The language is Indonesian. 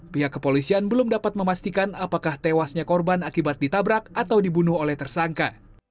pihak kepolisian belum dapat memastikan apakah tewasnya korban akibat ditabrak atau dibunuh oleh tersangka